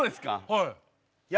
はい。